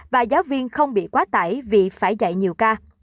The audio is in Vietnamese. và giáo viên không bị quá tải vì phải dạy nhiều ca